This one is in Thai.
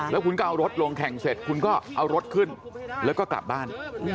แล้วคุณก็เอารถลงแข่งเสร็จคุณก็เอารถขึ้นแล้วก็กลับบ้าน